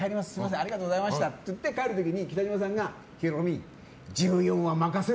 ありがとうございましたって言って、帰る時に北島さんがヒロミ、１４は任せろ！